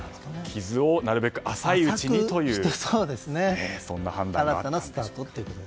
傷をなるべく浅いうちにというそんな判断だったと。